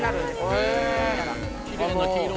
きれいな黄色。